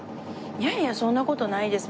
いやいやそんな事ないです。